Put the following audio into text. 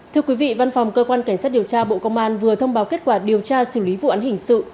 thưa quý vị văn phòng cơ quan cảnh sát điều tra bộ công an vừa thông báo kết quả điều tra xử lý vụ án hình sự